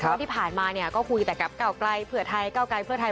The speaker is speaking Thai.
ว่าที่ผ่านมาเนี่ยก็คุยแต่กับเก้าไกลเผื่อไทยเก้าไกลเพื่อไทย